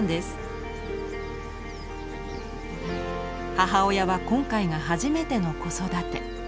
母親は今回が初めての子育て。